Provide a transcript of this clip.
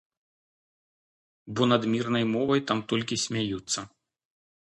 Бо над мірнай мовай там толькі смяюцца.